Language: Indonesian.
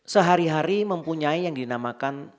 sehari hari mempunyai yang dinamakan